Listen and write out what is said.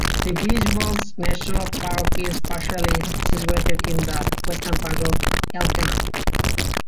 De Biesbosch National Park is partially situated in the western part of Altena.